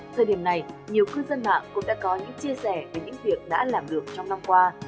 thời điểm này nhiều cư dân mạng cũng đã có những chia sẻ về những việc đã làm được trong năm qua